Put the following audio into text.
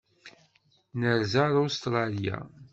Nerza ar Ustṛalya.